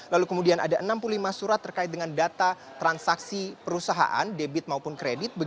lalu kemudian ada enam puluh lima surat terkait dengan data transaksi perusahaan dbk